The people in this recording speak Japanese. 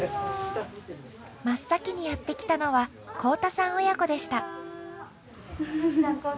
真っ先にやって来たのは幸田さん親子でした。